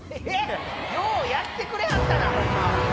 ようやってくれはったなホンマ